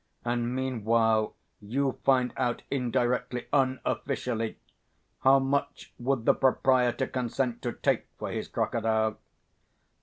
And meanwhile, you find out indirectly, unofficially, how much would the proprietor consent to take for his crocodile?"